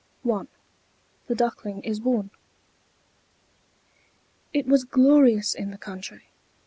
I THE DUCKLING IS BORN It was glorious in the country.